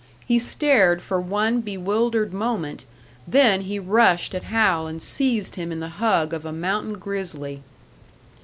He stared for one bewildered moment, then he rushed at Hal and seized him in the hug of a mountain grizzly.